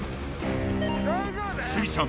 スギちゃん